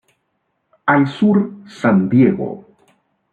Al sur, San Diego.